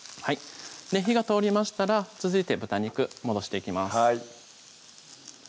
火が通りましたら続いて豚肉戻していきます